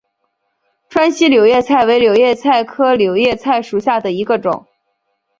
川西柳叶菜为柳叶菜科柳叶菜属下的一个种。